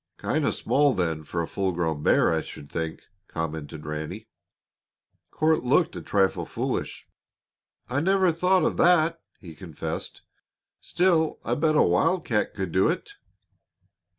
"Kind of small, then, for a full grown bear, I should think," commented Ranny. Court looked a trifle foolish. "I never thought of that," he confessed. "Still, I bet a wildcat could do it."